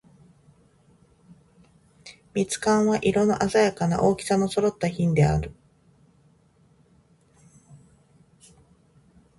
蜜柑は、色のあざやかな、大きさの揃った品であった。